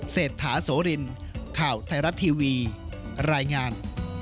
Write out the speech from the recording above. เศรษฐาโสรินข่าวไทยรัฐทีวีรายงาน